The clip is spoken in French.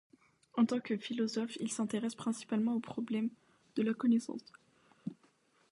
En tant que philosophe, il s’intéresse principalement aux problèmes de la connaissance.